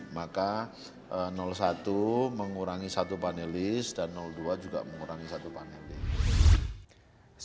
maka satu mengurangi satu panelis dan dua juga mengurangi satu panelis